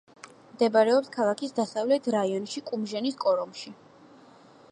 მდებარეობს ქალაქის დასავლეთ რაიონში კუმჟენის კორომში.